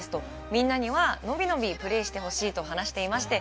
みんなにはのびのびプレーしてほしいと話していまして